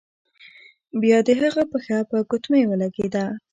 بیا د هغه پښه په ګوتمۍ ولګیده.